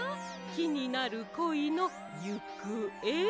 きになるこいのゆくえ？